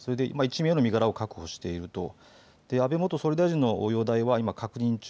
１名の身柄を確保していると安倍元総理大臣の容体は今、確認中。